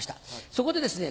そこでですね